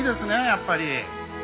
やっぱり。